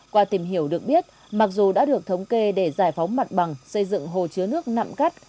qua tìm hiểu được biết mặc dù đã được thống kê để giải phóng mặt bằng xây dựng hồ chứa nước nặng cắt